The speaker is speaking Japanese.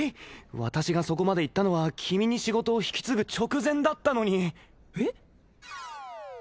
私がそこまで行ったのは君に仕事を引き継ぐ直前だったのにえっ？